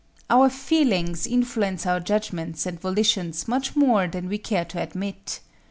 Our feelings influence our judgments and volitions much more than we care to admit.